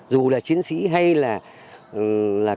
dù là chiến sĩ hay là